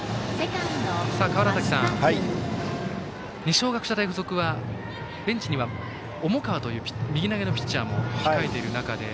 川原崎さん、二松学舎大付属はベンチには重川という右投げのピッチャーも控えているという中で。